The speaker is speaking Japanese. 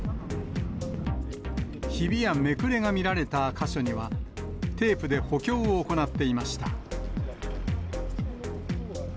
ひびやめくれが見られた箇所には、テープで補強を行っていました。